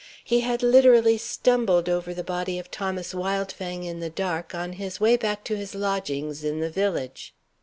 He had, literally, stumbled over the body of Thomas Wildfang in the dark, on his way back to his lodgings in the village.